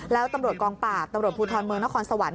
แล้วตำรวจกองปราบตำรวจภูทรเมืองนครสวรรค